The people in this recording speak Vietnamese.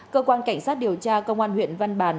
cơ quan cảnh sát điều tra công an huyện văn bàn